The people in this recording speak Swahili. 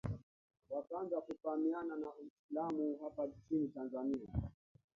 Wakaanza kufaamiana na Uislamu hapa nchini Tanzani